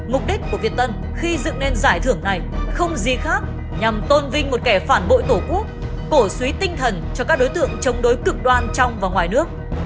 mục đích của việt tân khi dựng nên giải thưởng này không gì khác nhằm tôn vinh một kẻ phản bội tổ quốc cổ suý tinh thần cho các đối tượng chống đối cực đoan trong và ngoài nước